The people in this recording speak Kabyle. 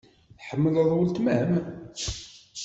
Tḥemmleḍ weltma-m?